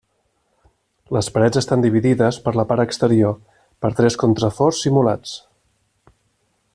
Les parets estan dividides, per la part exterior, per tres contraforts simulats.